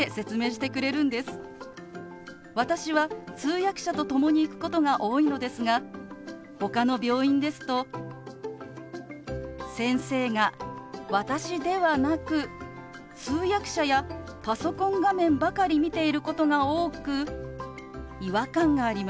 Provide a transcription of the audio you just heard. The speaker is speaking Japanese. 私は通訳者と共に行くことが多いのですがほかの病院ですと先生が私ではなく通訳者やパソコン画面ばかり見ていることが多く違和感があります。